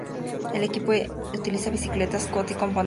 El equipo utiliza bicicletas Scott y componentes Rotor.